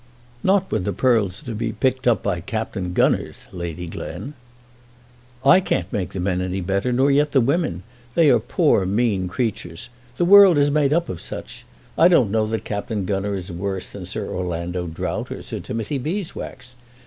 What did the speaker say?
"Not when the pearls are to be picked up by Captain Gunners, Lady Glen." "I can't make the men any better, nor yet the women. They are poor mean creatures. The world is made up of such. I don't know that Captain Gunner is worse than Sir Orlando Drought or Sir Timothy Beeswax.